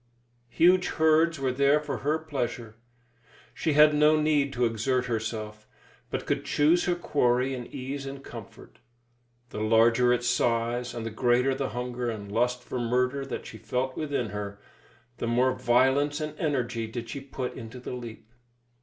Huge herds were there for her pleasure. She had no need to exert herself, but could choose her quarry in ease and comfort. The larger its size, and the greater the hunger and lust for murder that she felt within her, the more violence and energy did she put into the leap.